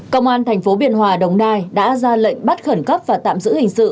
công an tp biên hòa đồng nai đã ra lệnh bắt khẩn cấp và tạm giữ hình sự